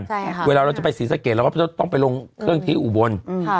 เพราะว่าเวลาเราจะไปศรีสเกษเราก็ต้องไปลงเครื่องที่อุบล